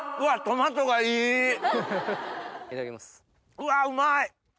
うわうまい！